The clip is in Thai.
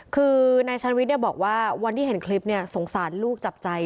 คือนายชันวิทย์บอกว่าวันที่เห็นคลิปสงสารลูกจับใจ